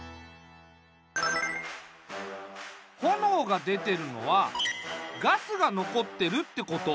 炎がでてるのはガスがのこってるってこと。